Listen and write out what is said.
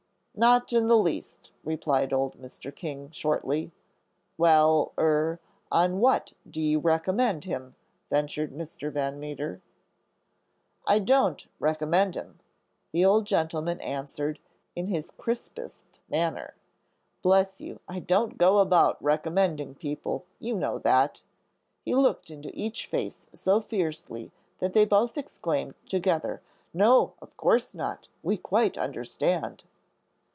"Not in the least," replied old Mr. King, shortly. "Well, er on what do you recommend him?" ventured Mr. Van Meter. "I don't recommend him," the old gentleman answered in his crispest manner. "Bless you, I don't go about recommending people; you know that." He looked into each face so fiercely that they both exclaimed together, "No, of course not. We quite understand."